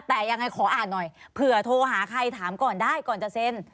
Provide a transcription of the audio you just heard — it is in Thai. แต่ยังไงขออ่านหน่อยเผื่อโทรหาใครถามก่อนได้ก่อนจะเซ็น